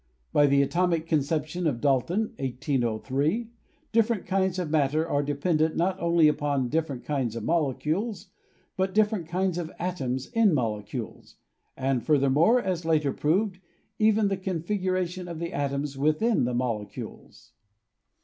By the atomic conception of Dalton (1803) different kinds of matter are dependent not only upon different kinds of molecules, but different kinds of atoms in molecules, and, furthermore, as later proved, even the configuration of the atoms within the molecules.